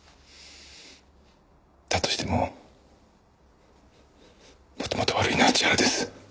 だとしてももともと悪いのは千原です。